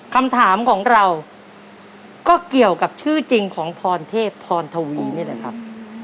คำถามของเราก็เกี่ยวกับชื่อจริงของพรเทพพรทวีนี่แหละครับ